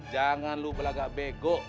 jangan lu berlagak bego